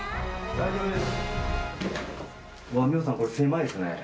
大丈夫です。